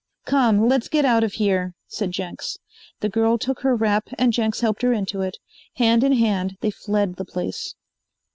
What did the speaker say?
"Come, let's get out of here," said Jenks. The girl took her wrap and Jenks helped her into it. Hand in hand they fled the place.